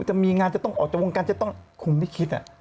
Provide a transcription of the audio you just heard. จะมีงานจะต้องออกจากวงการจะต้องคงไม่คิด